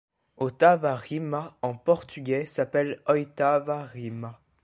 Ottava rima en portugués s’apelle oitava rima.